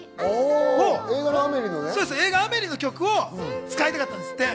映画『アメリ』の曲を使いたかったんですって。